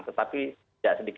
tetapi tidak sedikit